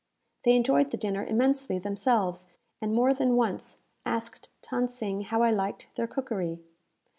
They enjoyed the dinner immensely themselves, and more than once asked Than Sing how I liked their cookery.